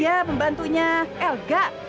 iya pembantunya elga